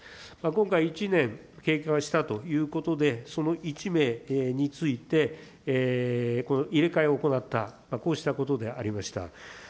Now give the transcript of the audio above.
今回、１年経過がしたということで、その１名について、入れ替えを行った、こうしたことでありました。